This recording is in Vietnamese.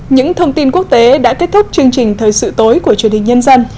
những thông tin quốc tế đã kết thúc chương trình thời sự tối của truyền hình nhân dân